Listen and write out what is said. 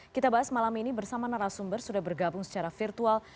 kita bahas malam ini bersama narasumber sudah bergabung secara virtual